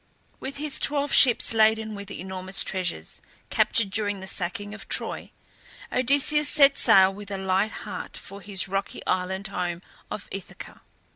With his twelve ships laden with enormous treasures, captured during the sacking of Troy, Odysseus set sail with a light heart for his rocky island home of Ithaca.